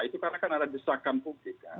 itu karena kan ada desakan publik kan